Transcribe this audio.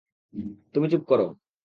তুমি চুপ করো!